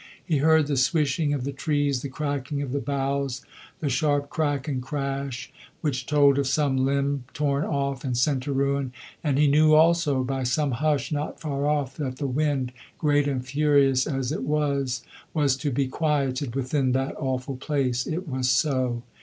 He heard the swishing of the trees, the cracking of the boughs, the sharp crack and crash which told of some limb torn off and sent to ruin; and he knew also by some hush not far off that the wind, great and furious as it was, was to be quieted within that awful place. It was so.